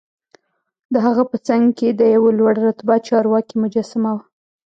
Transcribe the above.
دهغه په څنګ کې د یوه لوړ رتبه چارواکي مجسمه وه.